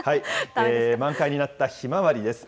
満開になったひまわりです。